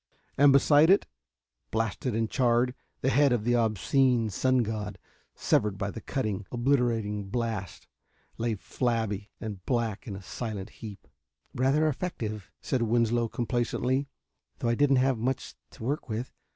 And beside it, blasted and charred, the head of the obscene sun god, severed by the cutting, obliterating blast, lay flabby and black in a silent heap. "Rather effective," said Winslow complacently, "though I didn't have much to work with.